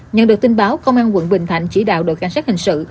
nhận được tin báo công an quận bình thạnh chỉ đạo đội cảnh sát hình sự